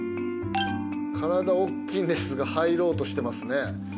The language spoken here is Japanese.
体大っきいんですが入ろうとしてますね。